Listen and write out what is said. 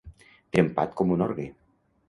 Trempat com un orgue.